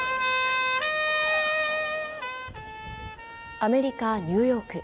アメリカ・ニューヨーク。